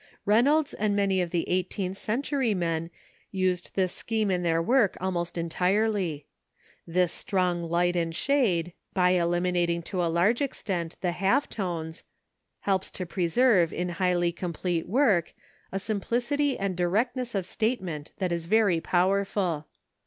Reynolds and many of the eighteenth century men used this scheme in their work almost entirely. This strong light and shade, by eliminating to a large extent the half tones, helps to preserve in highly complete work a simplicity and directness of statement that is very powerful.